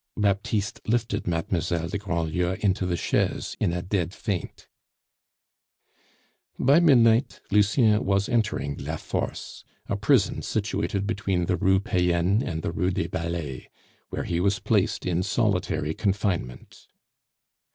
Baptiste lifted Mademoiselle de Grandlieu into the chaise in a dead faint. By midnight Lucien was entering La Force, a prison situated between the Rue Payenne and the Rue des Ballets, where he was placed in solitary confinement.